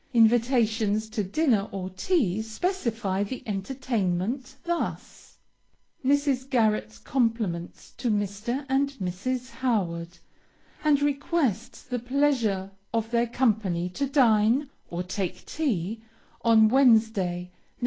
Invitations to dinner or tea specify the entertainment thus: Mrs. Garret's compliments to Mr. and Mrs. Howard, and requests the pleasure of their company to dine (or take tea) on Wednesday, Nov.